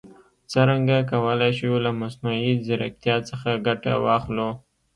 څرنګه کولای شو له مصنوعي ځیرکتیا څخه ګټه واخلو؟